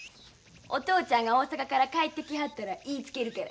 お父ちゃんが大阪から帰ってきはったら言いつけるから。